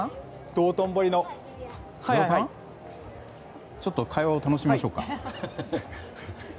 井澤さん、ちょっと会話を楽しみましょうか。